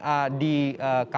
apakah prosesnya akan berjalan